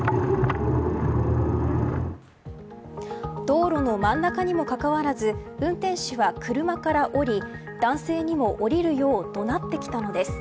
道路の真ん中にもかかわらず運転手は車から降り男性にも降りるよう怒鳴ってきたのです。